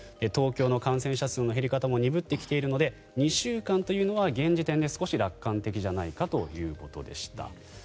東京の感染者数の減り方も鈍ってきているので２週間というのは現時点で少し楽観的ではないかということでした。